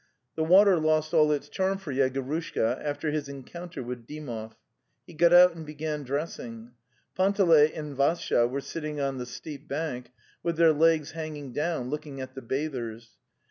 'The water lost all its charm for Yegorushka after his encounter with Dymov. He got out and began dressing. Panteley and Vassya were sitting on the steep bank, with their legs hanging down, looking at the bathers.